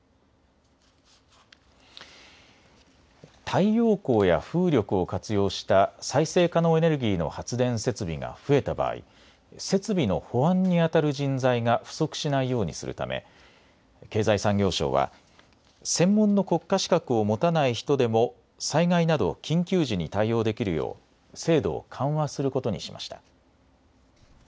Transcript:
太陽光や風力を活用した再生可能エネルギーの発電設備が増えた場合、設備の保安にあたる人材が不足しないようにするため経済産業省は、専門の国家資格を持たない人でも災害など緊急時に対応できるよう制度を緩和することにしました。